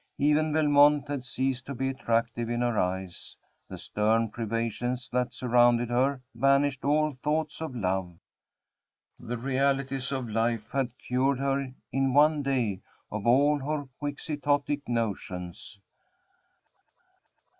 Even Belmont had ceased to be attractive in her eyes the stern privations that surrounded her banished all thoughts of love. The realities of life had cured her in one day of all her Quixotic notions.